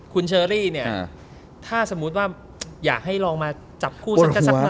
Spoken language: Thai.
คุณเชอรี่เนี่ยถ้าสมมุติว่าอยากให้ลองมาจับคู่ฉันก็สักหน่อย